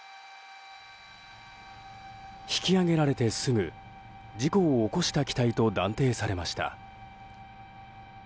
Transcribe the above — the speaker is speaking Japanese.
引き揚げられてすぐ事故を起こした機体と断定されました。